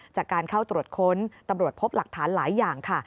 จากการเข้าตรวจค้นตำรวจพบหลักฐานหลายอย่างค่ะ